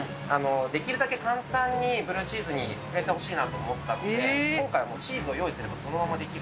できるだけ簡単にブルーチーズに触れてほしいなと思ったので、今回はもうチーズを用意すればそのままできる。